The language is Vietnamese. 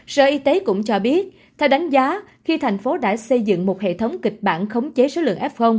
sở y tế cũng cho biết theo đánh giá khi thành phố đã xây dựng một hệ thống kịch bản khống chế số lượng f